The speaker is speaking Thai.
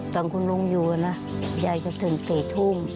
ตอนคุณลุงอยู่นะยายจะถึง๔ทุ่ม